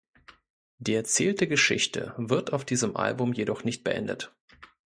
Die erzählte Geschichte wird auf diesem Album jedoch nicht beendet.